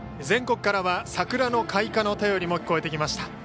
全国からは桜の開花の便りも聞こえてきました。